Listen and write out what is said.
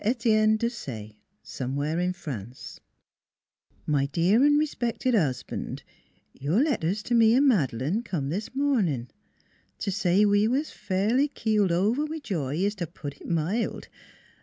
Etienne Desaye, Somewhere in France: " My dear & respected Husband : Your letters to me & Madeleine come this morning. To say we was fairly keeled over with joy is to put it mild.